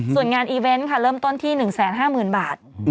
ส่วนงานอีเวนต์ค่ะเริ่มต้นที่๑๕๐๐๐บาท